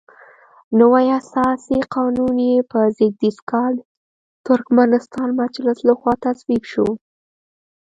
نوی اساسي قانون یې په زېږدیز کال د ترکمنستان مجلس لخوا تصویب شو.